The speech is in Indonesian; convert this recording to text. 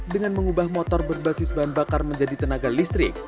dengan mengubah motor berbasis bahan bakar menjadi tenaga listrik